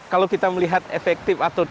nah kalau kita melihat efektif atau tidak